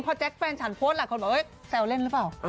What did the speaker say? พอแจ๊คแฟนฉันโพสต์หลายคนบอกแซวเล่นหรือเปล่า